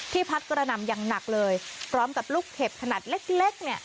พัดกระหน่ำอย่างหนักเลยพร้อมกับลูกเห็บขนาดเล็กเนี่ย